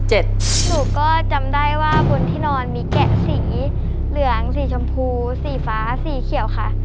หนูก็จำได้ว่าบนที่นอนมีแกะสีเหลืองสีชมพูสีฟ้าสีเขียวค่ะ